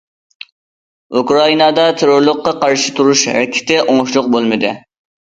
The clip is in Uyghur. ئۇكرائىنادا تېررورلۇققا قارشى تۇرۇش ھەرىكىتى ئوڭۇشلۇق بولمىدى.